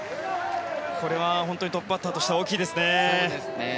これは本当にトップバッターとして大きいですね。